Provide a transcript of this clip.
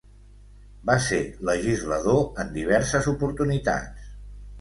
Va ser legislador en diverses oportunitats.